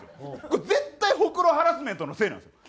これ絶対ホクロハラスメントのせいなんですよ。